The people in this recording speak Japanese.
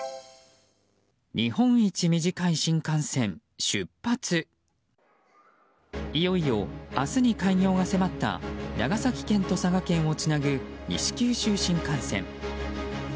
いよいよ明日に開業が迫った長崎県と佐賀県をつなぐ西九州新幹線。